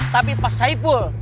tapi pak saipul